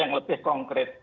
yang lebih konkret